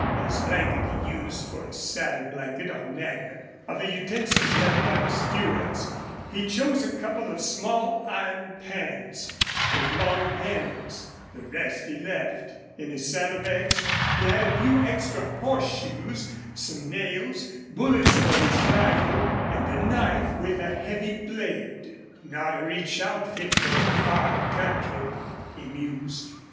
His blanket he used for a saddle blanket on Nagger. Of the utensils left by the Stewarts he chose a couple of small iron pans, with long handles. The rest he left. In his saddle bags he had a few extra horseshoes, some nails, bullets for his rifle, and a knife with a heavy blade. "Not a rich outfit for a far country," he mused.